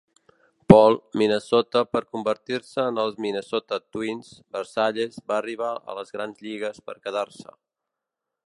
Paul, Minnesota per convertir-se en els Minnesota Twins, Versalles va arribar a les grans lligues per quedar-se.